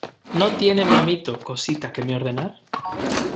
¿ no tiene mi amito cosita que me ordenar?